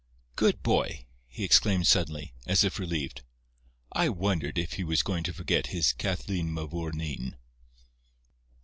"Good boy!" he exclaimed suddenly, as if relieved. "I wondered if he was going to forget his Kathleen Mavourneen."